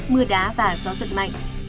mưa đá và gió giật mạnh